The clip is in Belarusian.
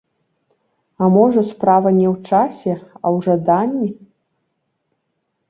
А можа, справа не ў часе, а ў жаданні.